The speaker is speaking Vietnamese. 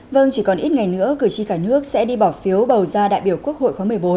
vâng chỉ còn ít ngày nữa cử tri cả nước sẽ đi bỏ phiếu bầu ra đại biểu quốc hội khóa một mươi bốn